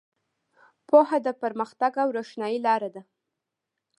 پوهه د پرمختګ او روښنایۍ لاره ده.